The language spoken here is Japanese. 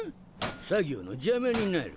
作業の邪魔になる。